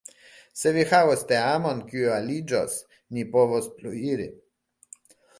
Se vi havos teamon kiu aliĝos, ni povos pluiri.